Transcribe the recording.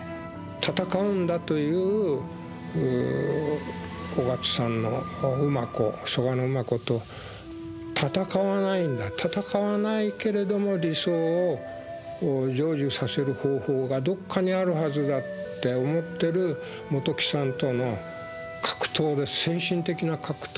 戦うんだという緒形さんの蘇我馬子と戦わないんだ戦わないけれども理想を成就させる方法がどっかにあるはずだって思ってる本木さんとの精神的な格闘。